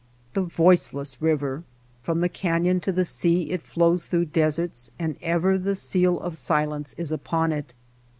The voiceless river ! From the canyon to the sea it flows through deserts, and ever the seal of silence is upon it.